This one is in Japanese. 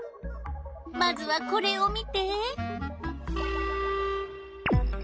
まずはこれを見て！